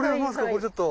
これちょっと。